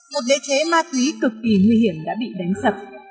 một địa chế ma túy cực kỳ nguy hiểm đã bị đánh giật